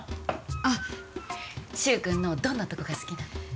あっ柊君のどんなとこが好きなの？